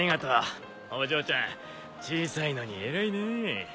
お嬢ちゃん小さいのに偉いねぇ。